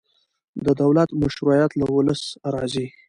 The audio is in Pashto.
د دولت مشروعیت له ولس راځي